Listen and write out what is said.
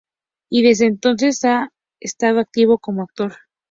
Y desde entonces ha estado activo como actor.